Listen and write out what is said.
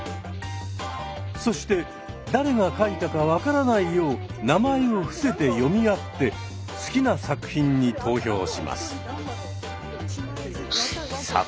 そして誰が書いたか分からないよう名前を伏せて詠み合って好きな作品に投票します。